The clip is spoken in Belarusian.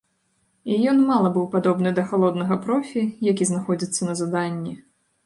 І ён мала быў падобны да халоднага профі, які знаходзіцца на заданні.